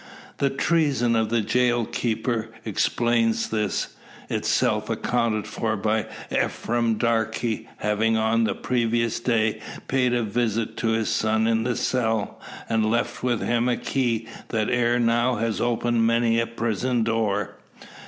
The treason of the jail keeper explains this itself accounted for by Ephraim Darke having on the previous day paid a visit to his son in the cell, and left with him a key that ere now has opened many a prison door.